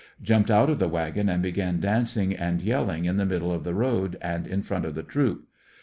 Jumped out of the wagon and began dancing and yelling in the middle of the road and in front of the troop.